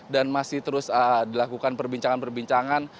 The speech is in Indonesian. dan masih terus dilakukan perbincangan perbincangan